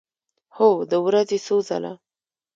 هو، د ورځې څو ځله